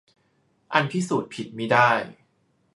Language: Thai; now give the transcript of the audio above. อันพิสูจน์ผิดมิได้